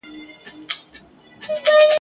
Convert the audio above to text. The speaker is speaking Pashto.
نه مي لاس د چا په وینو دی لړلی ..